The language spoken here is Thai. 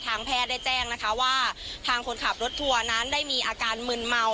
แพทย์ได้แจ้งนะคะว่าทางคนขับรถทัวร์นั้นได้มีอาการมึนเมา